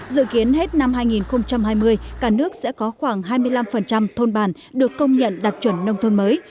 dự kiến hết năm hai nghìn hai mươi cả nước sẽ có khoảng hai mươi năm thôn bản được công nhận đạt chuẩn nông thôn mới